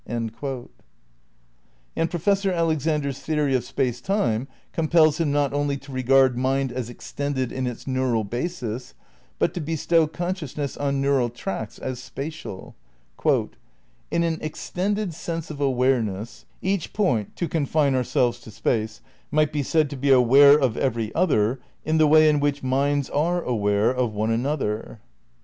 ..."' And Professor Alexander's theory of Space Time compels him not only to regard mind as extended in its neural basis but to bestow consciousness on neural tracts as spatial : "in an extended sense of 'awareness' each point (to confine our selves to Space) might be said to be aware of every other in the way in which minds are aware of one another."